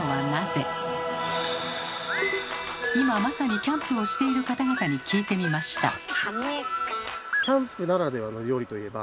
今まさにキャンプをしている方々に聞いてみました。